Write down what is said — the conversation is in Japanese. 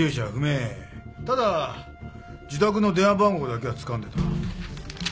ただ自宅の電話番号だけはつかんでた。